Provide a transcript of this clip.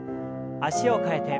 脚を替えて。